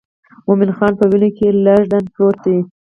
مومن خان په وینو کې لژند پروت دی.